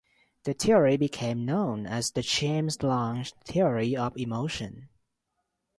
The theory became known as the James-Lange theory of emotion.